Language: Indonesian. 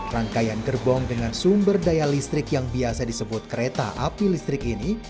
rangkaian gerbong dengan sumber daya listrik yang biasa disebut kereta api listrik ini